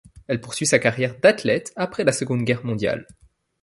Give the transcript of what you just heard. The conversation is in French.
Elle poursuit sa carrière d'athlète après la Seconde Guerre mondiale.